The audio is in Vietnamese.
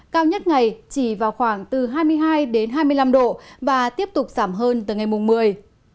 cao nhất ngày chỉ vào khoảng từ hai mươi hai hai mươi năm độ và tiếp tục giảm hơn từ ngày mùng một mươi